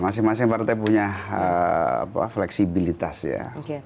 karena saya rasa partai punya fleksibilitas ya